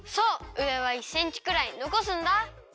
うえは１センチくらいのこすんだ！